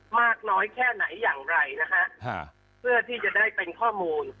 มากน้อยแค่ไหนอย่างไรนะฮะเพื่อที่จะได้เป็นข้อมูล